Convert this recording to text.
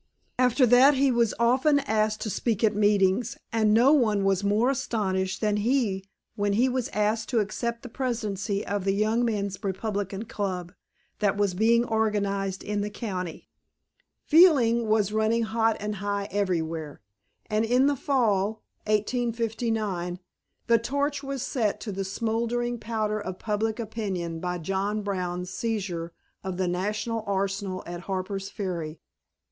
After that he was often asked to speak at meetings, and no one was more astonished than he when he was asked to accept the presidency of the Young Men's Republican Club, that was being organized in the county. Feeling was running hot and high everywhere. And in the fall (1859) the torch was set to the smouldering powder of public opinion by John Brown's seizure of the national arsenal at Harper's Ferry.